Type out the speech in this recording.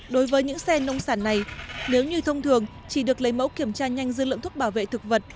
đối với những xe nông sản này nếu như thông thường chỉ được lấy mẫu kiểm tra nhanh dư lượng thuốc bảo vệ thực vật